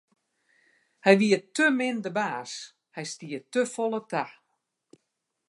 Hy wie te min de baas, hy stie te folle ta.